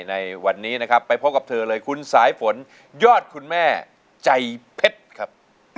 ในวันนี้นะครับไปพบกับเธอเลยคุณสายฝนยอดคุณแม่ใจเพชรครับ